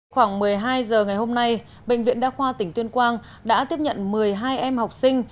khoảng một mươi hai giờ ngày hôm nay bệnh viện đa khoa tỉnh tuyên quang đã tiếp nhận một mươi hai em học sinh